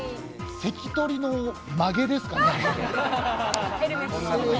関取のまげですかね。